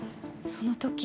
その時。